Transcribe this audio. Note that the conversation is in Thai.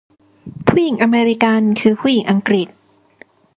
ผู้หญิงอเมริกันคือผู้หญิงอังกฤษ